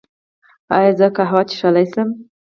ایا زه قهوه څښلی شم؟